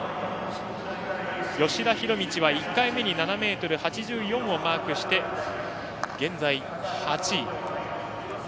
吉田弘道、１回目に７ｍ８４をマークして現在、８位。